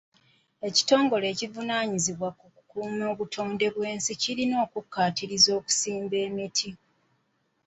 Ekitongole ekivunaanyizibwa ku kukuuma obutonde bw'ensi kirina okukkaatiriza okusimba emiti.